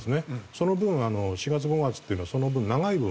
その分４月５月っていうのは長い分